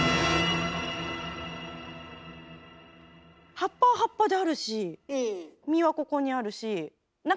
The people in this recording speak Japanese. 葉っぱは葉っぱであるし実はここにあるし。